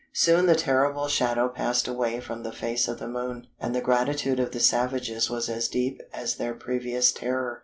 Soon the terrible shadow passed away from the face of the moon, and the gratitude of the savages was as deep as their previous terror.